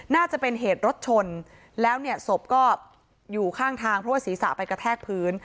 น่าจะเป็นเหตุรถชนแล้วเนี่ยศพก็อยู่ข้างทางเพราะว่าศีรษะไปกระแทกพื้น